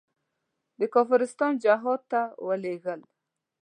د کافرستان جهاد ته ولېږل.